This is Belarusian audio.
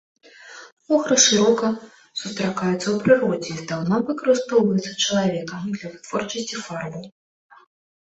Охра шырока сустракаецца ў прыродзе і здаўна выкарыстоўваецца чалавекам для вытворчасці фарбаў.